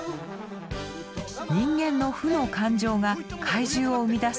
人間の負の感情が怪獣を生み出すと考えています。